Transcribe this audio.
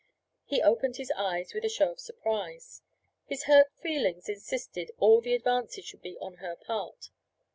He opened his eyes with a show of surprise; his hurt feelings insisted that all the advances should be on her part.